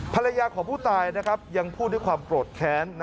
ภรรยาของผู้ตายยังพูดด้วยความโกรธแค้น